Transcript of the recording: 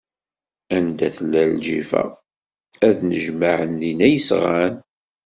Anda tella lǧifa, ad d-nnejmaɛen dinna yesɣan.